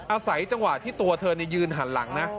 อาศัยจังหวะที่ตัวเธอยืนหันหลังนะ